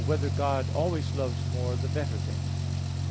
4] Whether God Always Loves More the Better Things?